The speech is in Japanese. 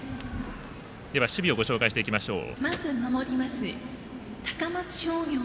守備をご紹介していきましょう。